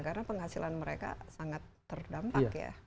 karena penghasilan mereka sangat terdampak ya